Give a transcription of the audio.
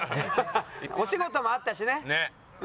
お仕事もあったしね。